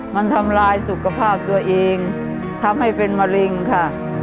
มันทำลายสุขภาพตัวเองทำให้เป็นมะเร็งค่ะ